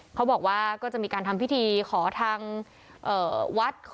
เขาบอกว่าก็จะมีการทำพิธีขอทางวัด